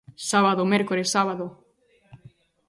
Sábado, mércores, sábado.